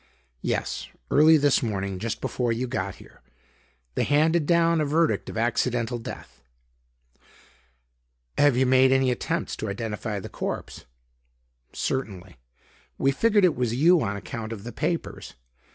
"Yes; early this morning; just before you got here. They handed down a verdict of accidental death." "Have you made any attempts to identity the corpse?" "Certainly. We figured it was you on account of the papers.